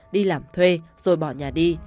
đi làm thuê rồi bỏ nhà đi